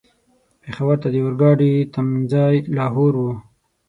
پېښور ته د اورګاډي تم ځای لاهور و.